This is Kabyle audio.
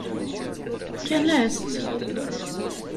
Fkan-as-tt?